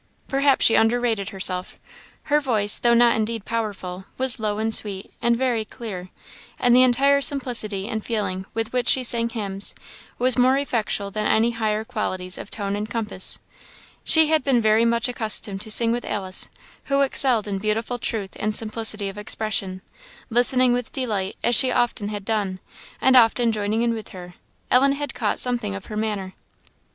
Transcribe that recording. Perhaps she underrated herself: her voice, though not indeed powerful, was low and sweet, and very clear; and the entire simplicity and feeling with which she sang hymns, was more effectual than any higher qualities of tone and compass. She had been very much accustomed to sing with Alice, who excelled in beautiful truth and simplicity of expression; listening with delight, as she often had done, and often joining with her, Ellen had caught something of her manner.